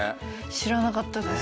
知らなかったです。